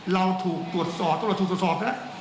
เราถูกตรวจสอบตรวจถูกตรวจสอบแล้ว